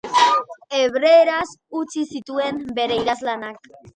Hebreeraz utzi zituen bere idazlanak.